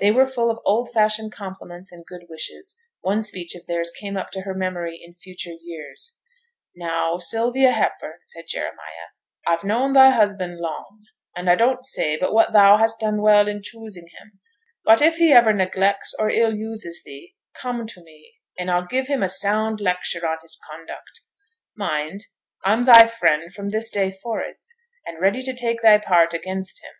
They were full of old fashioned compliments and good wishes; one speech of theirs came up to her memory in future years: 'Now, Sylvia Hepburn,' said Jeremiah, 'I've known thy husband long, and I don't say but what thou hast done well in choosing him; but if he ever neglects or ill uses thee, come to me, and I'll give him a sound lecture on his conduct. Mind, I'm thy friend from this day forrards, and ready to take thy part against him!'